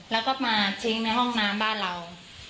แล้วก็มาทิ้งในห้องน้ำบ้านเรา